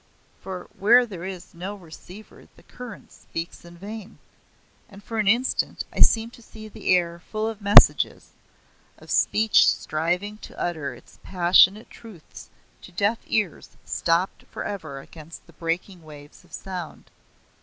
For where there is no receiver the current speaks in vain; and for an instant I seemed to see the air full of messages of speech striving to utter its passionate truths to deaf ears stopped for ever against the breaking waves of sound.